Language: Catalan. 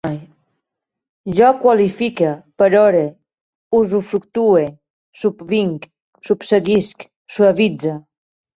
Jo qualifique, perore, usufructue, subvinc, subseguisc, suavitze